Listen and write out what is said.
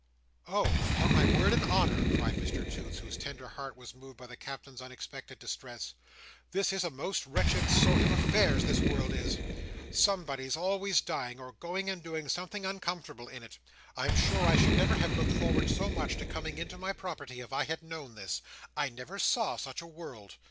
"Oh" upon my word and honour," cried Mr Toots, whose tender heart was moved by the Captain's unexpected distress, "this is a most wretched sort of affair this world is! Somebody's always dying, or going and doing something uncomfortable in it. I'm sure I never should have looked forward so much, to coming into my property, if I had known this. I never saw such a world.